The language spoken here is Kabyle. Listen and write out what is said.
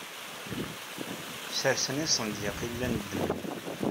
Sersen isendyaq ay llan ddmen.